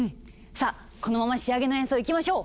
さあこのまま仕上げの演奏いきましょう！